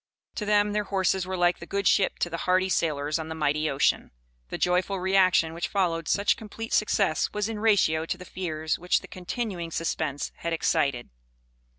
To them their horses were like the good ship to the hardy sailors on the mighty ocean. The joyful reaction which followed such complete success was in ratio to the fears which the continuing suspense had excited.